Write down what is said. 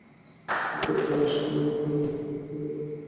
কিন্তু বলার সময় আপনার মুখ কঠিন হয়ে গেল।